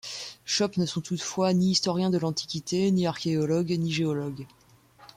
Schoppe ne sont toutefois ni historiens de l'Antiquité, ni archéologues, ni géologues.